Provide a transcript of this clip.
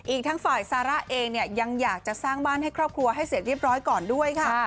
อีกทั้งฝ่ายซาร่าเองเนี่ยยังอยากจะสร้างบ้านให้ครอบครัวให้เสร็จเรียบร้อยก่อนด้วยค่ะ